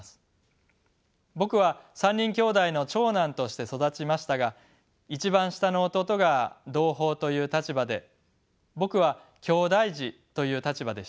僕は３人兄弟の長男として育ちましたが一番下の弟が同胞という立場で僕はきょうだい児という立場でした。